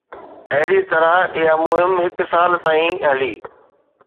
اهڙي طرح اها مهم هڪ سال تائين هلي.